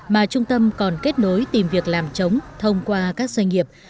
mà trung tâm còn kết nối tìm việc làm chống thông qua các doanh nghiệp